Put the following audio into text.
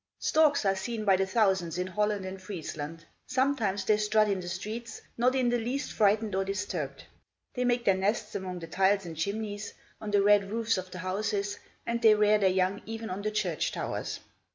Storks are seen by the thousands in Holland and Friesland. Sometimes they strut in the streets, not in the least frightened or disturbed. They make their nests among the tiles and chimneys, on the red roofs of the houses, and they rear their young even on the church towers.